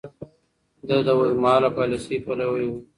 ده د اوږدمهاله پاليسۍ پلوی و.